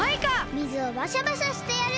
水をバシャバシャしてやる！